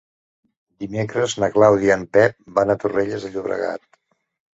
Dimecres na Clàudia i en Pep van a Torrelles de Llobregat.